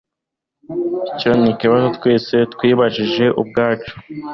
Icyo nikibazo twese twibajije ubwacu.